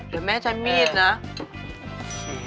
เดี๋ยวแม่ใช้มีดนะ